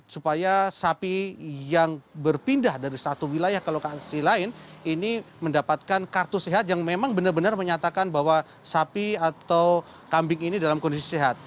supaya sapi yang berpindah dari satu wilayah ke lokasi lain ini mendapatkan kartu sehat yang memang benar benar menyatakan bahwa sapi atau kambing ini dalam kondisi sehat